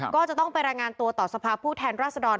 ก็จะต้องไปรายงานตัวต่อสภาพผู้แทนราชดร